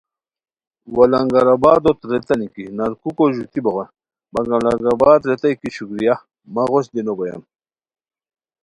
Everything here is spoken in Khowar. وا لنگر آبادوت ریتانی کی نرکوکو ژوتی بوغے مگم لنگر آباد ریتائے کی شکریہ مہ غوش دی نو بویان